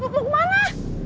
eh lu kemana